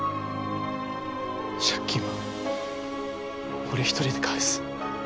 借金は俺一人で返す。